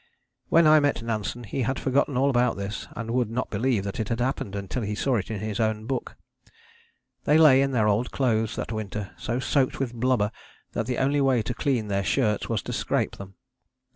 When I met Nansen he had forgotten all about this, and would not believe that it had happened until he saw it in his own book. They lay in their old clothes that winter, so soaked with blubber that the only way to clean their shirts was to scrape them.